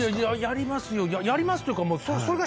やりますっていうか。